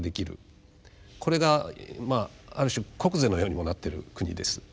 これがまあある種国是のようにもなってる国です。